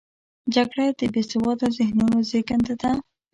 جګړه د بې سواده ذهنونو زیږنده ده